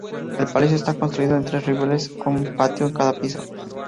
El palacio está construido en tres niveles con un patio en cada piso.